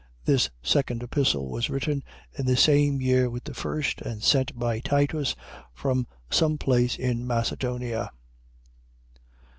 This second Epistle was written in the same year with the first and sent by Titus from some place in Macedonia.